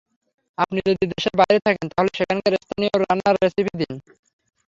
আপনি যদি দেশের বাইরে থাকেন, তাহলে সেখানকার স্থানীয় রান্নার রেসিপি দিন।